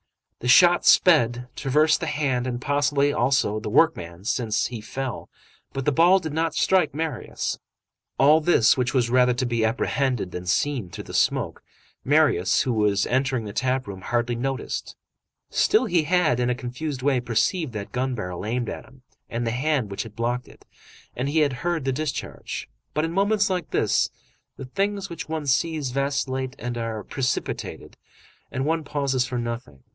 The shot sped, traversed the hand and possibly, also, the workman, since he fell, but the ball did not strike Marius. All this, which was rather to be apprehended than seen through the smoke, Marius, who was entering the tap room, hardly noticed. Still, he had, in a confused way, perceived that gun barrel aimed at him, and the hand which had blocked it, and he had heard the discharge. But in moments like this, the things which one sees vacillate and are precipitated, and one pauses for nothing.